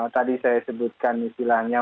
tadi saya sebutkan istilahnya